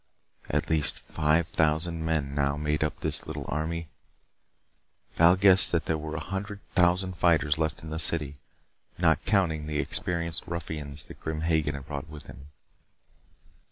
At least five thousand men now made up this little army. Val guessed that there were a hundred thousand fighters left in the city, not counting the experienced ruffians that Grim Hagen had brought with him.